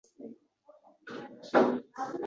Siz xulosa qilasiz